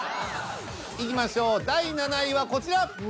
いきましょう第７位はこちら。